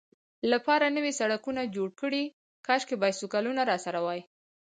لپاره نوي سړکونه جوړ کړي، کاشکې بایسکلونه راسره وای.